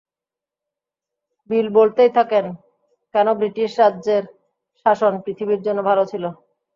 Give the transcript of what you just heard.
বিল বলতেই থাকেন, কেন ব্রিটিশ রাজের শাসন পৃথিবীর জন্য ভালো ছিল।